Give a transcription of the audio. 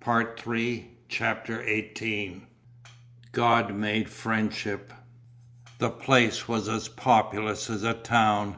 PART III CHAPTER XVIII GOD MADE FRIENDSHIP The place was as populous as a town.